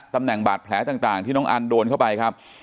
ตำแหน่งบาดแผลต่างที่น้องอันโดนเข้าไปครับ